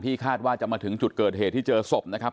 คาดว่าจะมาถึงจุดเกิดเหตุที่เจอศพนะครับ